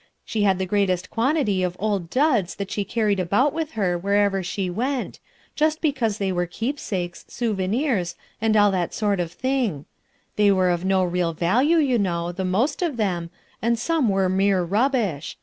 She had the greatest quantity of old duds that she carried about with her wherever she went, just because they were keepsakes, souvenirs, and all that sort of thing, They were of no real value, you know, the most of them, and some were mere rubbish.